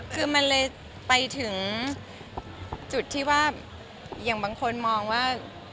คือมันเลยไปถึงจุดที่บางคนมองว่า